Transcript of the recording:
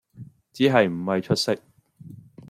只係唔係出色